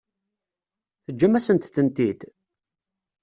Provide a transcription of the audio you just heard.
Teǧǧam-asent-tent-id?